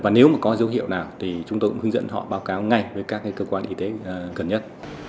và nếu mà có dấu hiệu nào thì chúng tôi cũng hướng dẫn họ báo cáo ngay với các cơ quan y tế gần nhất